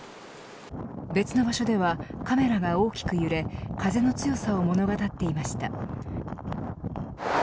別の場所ではカメラが大きく揺れ風の強さを物語っていました。